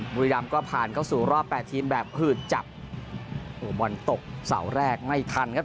บุรีรำก็ผ่านเข้าสู่รอบแปดทีมแบบหืดจับโอ้โหบอลตกเสาแรกไม่ทันครับ